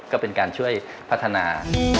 ก็เป็นการช่วยพัฒนา